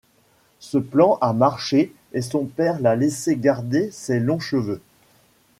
Ce plan a marché, et son père l'a laissé garder ses longs cheveux.